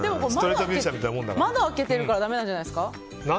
窓を開けてるからだめなんじゃないですか？